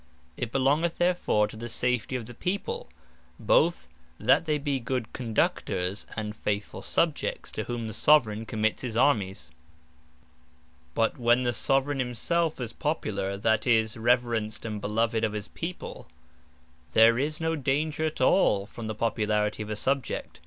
It belongeth therefore to the safety of the People, both that they be good Conductors, and faithfull subjects, to whom the Soveraign Commits his Armies. But when the Soveraign himselfe is Popular, that is, reverenced and beloved of his People, there is no danger at all from the Popularity of a Subject.